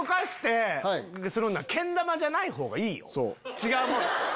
違うもの。